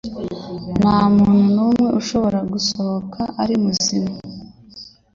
Nta muntu n'umwe ushobora gusohoka ari muzima. ”